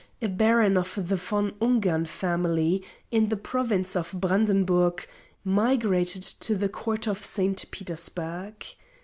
a baron of the Von Ungern family, in the province of Brandenburg, migrated to the court of St. Petersburg.